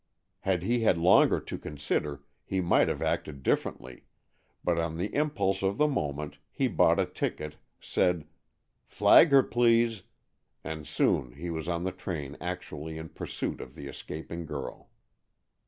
Had he had longer to consider, he might have acted differently, but on the impulse of the moment, he bought a ticket, said, "Flag her, please," and soon he was on the train actually in pursuit of the escaping girl.